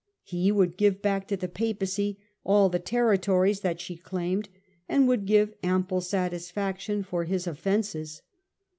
He would give back to the Papacy all the territories that she claimed and would give ample satisfaction for his offences.